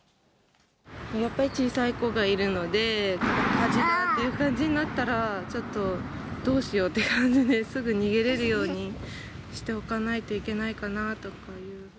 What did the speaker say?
やっぱり小さい子がいるので、火事だって感じになったらちょっとどうしようっていう感じで、すぐ逃げれるようにしておかないといけないかなと。